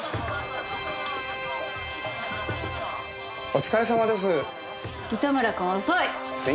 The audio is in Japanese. お疲れさまです。